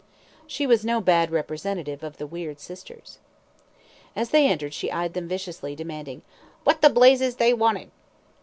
She was no bad representative of the weird sisters. As they entered she eyed them viciously, demanding, "What the blazes they wanted."